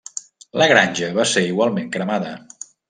La granja va ser igualment cremada.